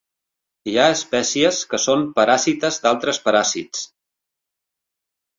Hi ha espècies que són paràsites d'altres paràsits.